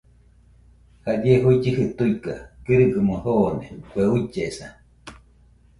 Jadie juillɨji tuiga kɨrɨgaɨmo joone kue ullesa.